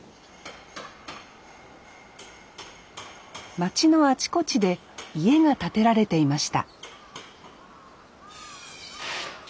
町のあちこちで家が建てられていました